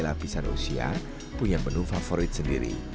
lapisan usia punya menu favorit sendiri